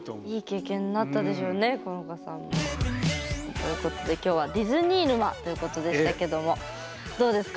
ということで今日は「ディズニー沼」ということでしたけどもどうですか？